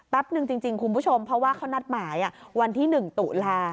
หนึ่งจริงคุณผู้ชมเพราะว่าเขานัดหมายวันที่๑ตุลา